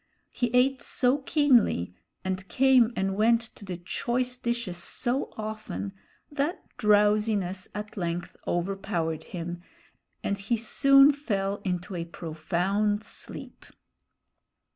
He ate so keenly, and came and went to the choice dishes so often, that drowsiness at length overpowered him, and he soon fell into a profound sleep.